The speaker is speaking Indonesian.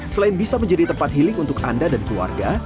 selain bisa menjadi tempat healing untuk anda dan keluarga